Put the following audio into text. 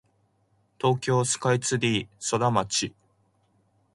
東京スカイツリーソラマチ